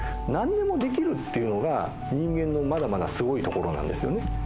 何でもできるっていうのが人間のまだまだすごいところなんですよね。